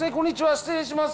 失礼します。